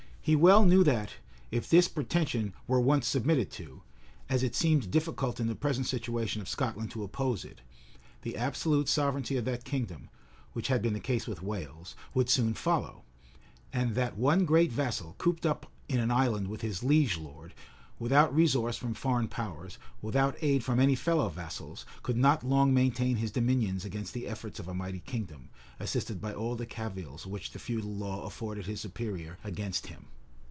He well knew that, if this pretension were once submitted to, as it seemed difficult in the present situation of Scotland to oppose it, the absolute sovereignty of that kingdom (which had been the case with Wales) would soon follow; and that one great vassal, cooped up in an island with his liege lord, without resource from foreign powers, without aid from any fellow vassals, could not long maintain his dominions against the efforts of a mighty kingdom, assisted by all the cavils which the feudal law afforded his superior against him.